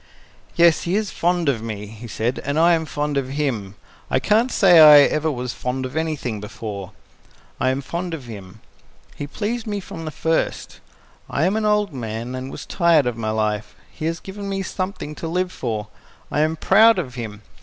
"Yes, he is fond of me," he said, "and I am fond of him. I can't say I ever was fond of anything before. I am fond of him. He pleased me from the first. I am an old man, and was tired of my life. He has given me something to live for. I am proud of him.